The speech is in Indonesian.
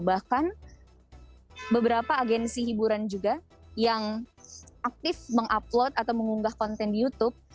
bahkan beberapa agensi hiburan juga yang aktif mengupload atau mengunggah konten di youtube